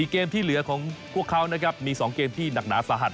เกมที่เหลือของพวกเขานะครับมี๒เกมที่หนักหนาสาหัส